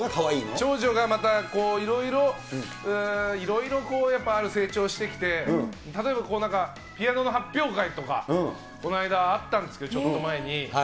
長女がまたいろいろ、いろいろやっぱある成長してきて、例えばなんか、ピアノの発表会とかこの間あったんですよ、ちょっと前に。